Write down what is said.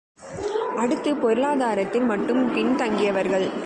அடுத்து, பொருளாதாரத்தில் மட்டும் பின் தங்கியவர்கள்.